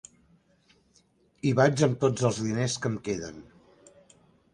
Hi vaig amb tots els diners que em queden.